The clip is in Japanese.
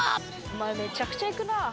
お前めちゃくちゃ行くなあ。